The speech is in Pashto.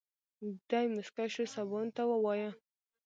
دی موسکی شو سباوون ته ووايه.